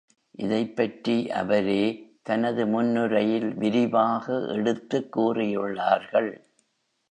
இதைப் பற்றி அவரே, தனது முன்னுரையில் விரிவாக எடுத்துக் கூறியுள்ளார்கள்.